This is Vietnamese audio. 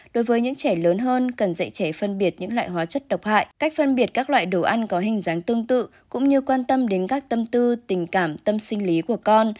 đối với những trẻ lớn hơn cần dạy trẻ phân biệt những loại hóa chất độc hại cách phân biệt các loại đồ ăn có hình dáng tương tự cũng như quan tâm đến các tâm tư tình cảm tâm sinh lý của con